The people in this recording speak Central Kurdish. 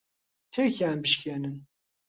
تێکیان بشکێنن.